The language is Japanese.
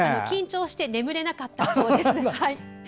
緊張して眠れなかったそうです。